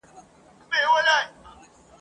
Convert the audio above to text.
را رواني به وي ډلي د ښایستو مستو کوچیو !.